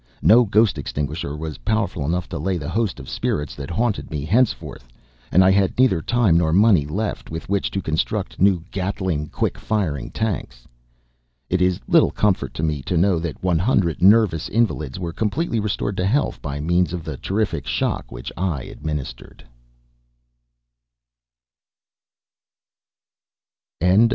No ghost extinguisher was powerful enough to lay the host of spirits that haunted me henceforth, and I had neither time nor money left with which to construct new Gatling quick firing tanks. It is little comfort to me to know that one hundred nervous invalids were completely restored to health by means of the terrific shock which I administered.